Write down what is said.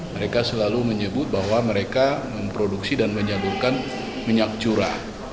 mereka selalu menyebut bahwa mereka memproduksi dan menyalurkan minyak curah